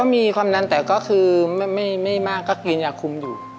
มีความนั้นแต่ก็คือไม่มากก็กินยาคุมอยู่